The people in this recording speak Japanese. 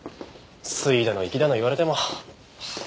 粋だの粋だの言われても。